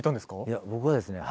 いや僕はですね